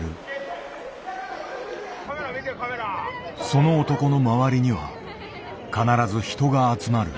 その男の周りには必ず人が集まる。